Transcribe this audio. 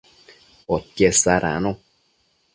podquied sadacno